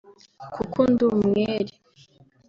kuko ndi umwere